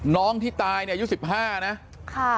น้องที่ตายเนี่ยอายุสิบห้านะค่ะ